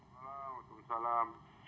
selamat malam wassalam